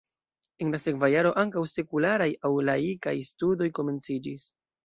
En la sekva jaro ankaŭ sekularaj aŭ laikaj studoj komenciĝis.